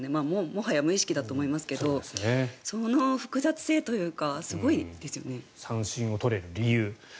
もはや無意識だと思いますがその複雑性というか三振を取れる理由。